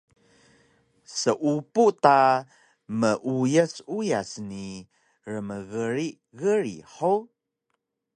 Seupu ta meuyas uyas ni rmgrig grig hug!